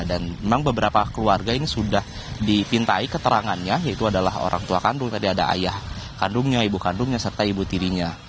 dan memang beberapa keluarga ini sudah dipintai keterangannya yaitu adalah orang tua kandung tadi ada ayah kandungnya ibu kandungnya serta ibu tirinya